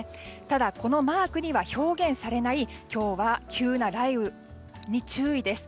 ただ、このマークには表現されない今日は急な雷雨に注意です。